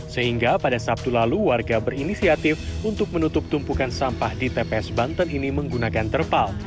sehingga pada sabtu lalu warga berinisiatif untuk menutup tumpukan sampah di tps banten ini menggunakan terpal